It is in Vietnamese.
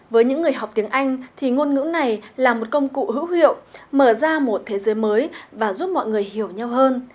với những người học tiếng anh thì ngôn ngữ này là một công cụ hữu hiệu mở ra một thế giới mới và giúp mọi người hiểu nhau hơn